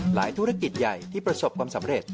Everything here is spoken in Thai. ธุรกิจใหญ่ที่ประสบความสำเร็จ